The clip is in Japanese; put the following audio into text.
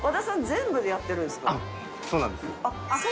全部やってるんですか？